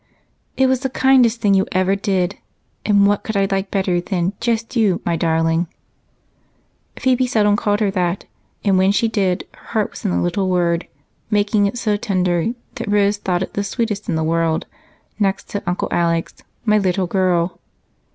"It was the kindest thing you ever did, and what could I like better than 'just you,' my darling?" Phebe seldom called her that, and when she did her heart was in the little word, making it so tender that Rose thought it the sweetest in the world, next to Uncle Alec's "my little girl."